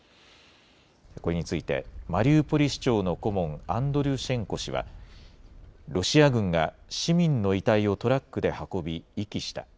これについて、マリウポリ市長の顧問、アンドリュシェンコ氏は、ロシア軍が市民の遺体をトラックで運び遺棄した。